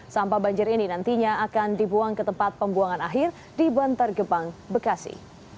sampah banjir ini nantinya akan dibuang ke tempat pembuangan akhir di bantar gebang bekasi